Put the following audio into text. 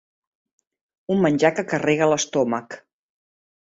Un menjar que carrega l'estómac.